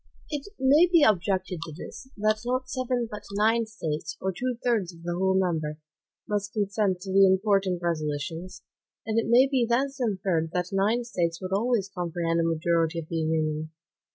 It may be objected to this, that not seven but nine States, or two thirds of the whole number, must consent to the most important resolutions; and it may be thence inferred that nine States would always comprehend a majority of the Union.